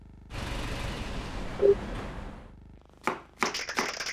A partir de ahí sus salidas se van reduciendo.